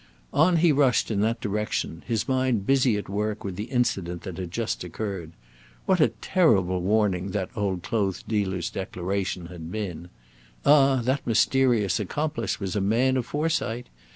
On he rushed in that direction, his mind busy at work with the incident that had just occurred. What a terrible warning that old clothes dealer's declaration had been! Ah! that mysterious accomplice was a man of foresight.